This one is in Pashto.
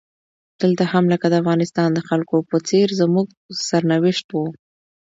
دلته هم لکه د افغانستان د خلکو په څیر زموږ سرنوشت و.